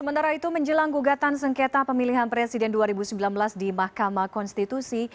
sementara itu menjelang gugatan sengketa pemilihan presiden dua ribu sembilan belas di mahkamah konstitusi